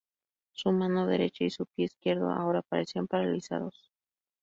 Su mano derecha y su pie izquierdo ahora parecían paralizados.